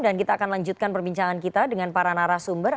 kita akan lanjutkan perbincangan kita dengan para narasumber